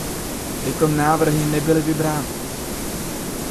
Tyto návrhy nebyly vybrány.